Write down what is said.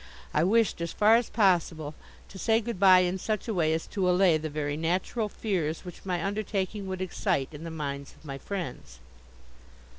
I wished, as far as possible, to say good bye in such a way as to allay the very natural fears which my undertaking would excite in the minds of my friends.